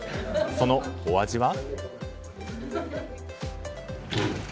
そのお味は。